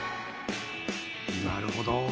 なるほど。